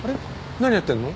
何やってんの？